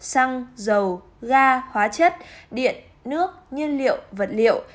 xăng dầu ga hóa chất điện nước nhiên liệu vật liệu